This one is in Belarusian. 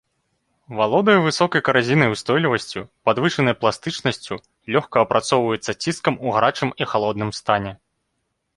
Валодае высокай каразійнай устойлівасцю, падвышанай пластычнасцю, лёгка апрацоўваецца ціскам ў гарачым і халодным стане.